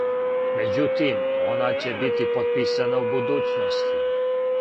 Међутим, она ће бити потписана у будућности.